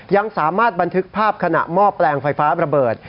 ยังสามารถบันทึกภาพขณะหม้อแปลงไฟฟ้าระเบิด